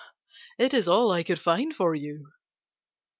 It is all I could find for you."